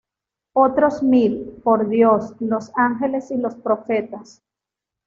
Otros mil, por Dios, los ángeles y los profetas.